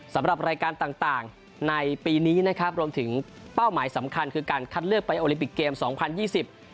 สำหรับรายการต่างต่างในปีนี้นะครับรวมถึงเป้าหมายสำคัญคือการคัดเลือกไปโอลิมปิกเกมสองพันยี่สิบ